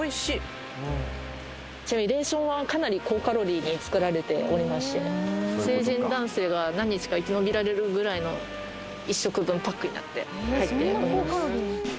わっに作られておりまして成人男性が何日か生き延びられるぐらいの１食分パックになって入っております